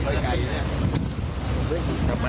เรือนี้ขับช้าอยู่